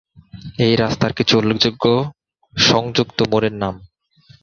এই রাস্তার কিছু উল্লেখযোগ্য সংযুক্ত মোড়ের নামঃ